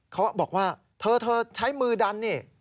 เขาบอกว่าเธอใช้มือดันนี่